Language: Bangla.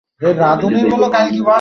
কিছু ভুল বলেছি নাকি?